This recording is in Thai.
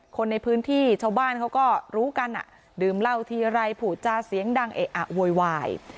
คนในพื้นที่ชาวบ้านเขาก็รู้กันอ่ะดื่มเหล้าทีไรผูจาเสียงดังเอะอะโวยวาย